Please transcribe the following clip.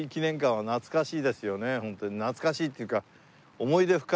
懐かしいっていうか。